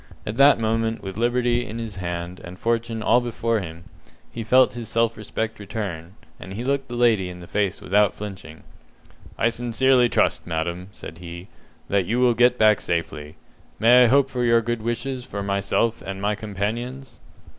At that moment, with liberty in his hand, and fortune all before him, he felt his self respect return, and he looked the lady in the face without flinching. "I sincerely trust, madam," said he, "that you will get back safely. May I hope for your good wishes for myself and my companions?"